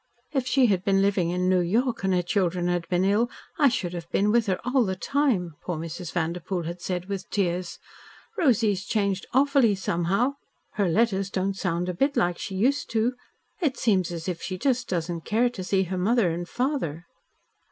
"If she had been living in New York and her children had been ill I should have been with her all the time," poor Mrs. Vanderpoel had said with tears. "Rosy's changed awfully, somehow. Her letters don't sound a bit like she used to be. It seems as if she just doesn't care to see her mother and father."